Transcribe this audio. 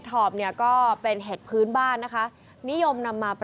ดอกใหญ่ช้าชอบทานมากเลยเห็ดอันนี้